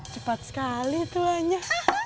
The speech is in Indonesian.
cepat sekali tuanya